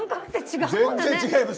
全然違います。